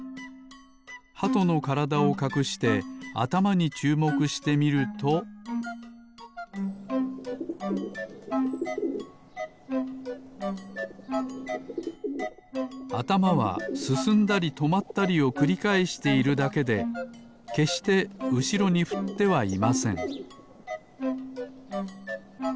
ハトのからだをかくしてあたまにちゅうもくしてみるとあたまはすすんだりとまったりをくりかえしているだけでけっしてうしろにふってはいません